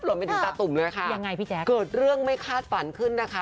ไปถึงตาตุ่มเลยค่ะยังไงพี่แจ๊คเกิดเรื่องไม่คาดฝันขึ้นนะคะ